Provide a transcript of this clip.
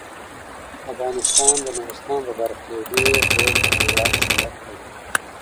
افغانستان د نورستان په برخه کې یو ډیر لوړ نړیوال شهرت لري.